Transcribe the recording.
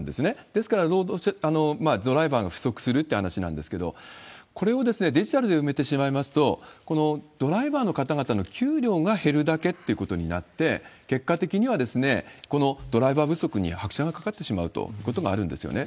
ですから、ドライバーが不足するって話なんですけど、これをデジタルで埋めてしまいますと、このドライバーの方々の給料が減るだけってことになって、結果的にはドライバー不足に拍車がかかってしまうということがあるんですよね。